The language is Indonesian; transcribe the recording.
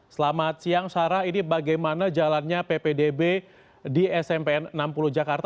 selamat siang sarah ini bagaimana jalannya ppdb di smpn enam puluh jakarta